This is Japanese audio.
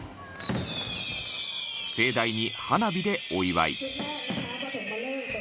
［盛大に花火でお祝い］